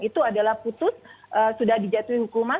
itu adalah putus sudah dijatuhi hukuman